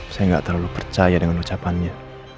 saya nggak terlalu percaya dengan ucapannya